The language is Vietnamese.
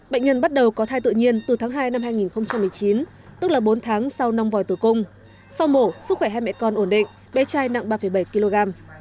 bệnh nhân bắt đầu có thai tự nhiên từ tháng hai năm hai nghìn một mươi chín tức là bốn tháng sau nong vòi tử cung sau mổ sức khỏe hai mẹ con ổn định bé trai nặng ba bảy kg